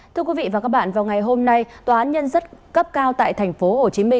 thưa quý vị và các bạn vào ngày hôm nay tòa án nhân dân cấp cao tại tp hcm